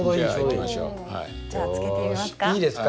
じゃあつけてみますか？